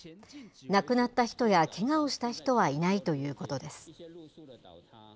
亡くなった人や、けがをした人はいないということです。